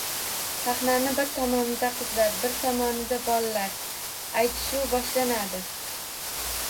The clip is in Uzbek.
Saxnani bir tomonida qizlar bir tomonida bollar aytishuv boshlanadi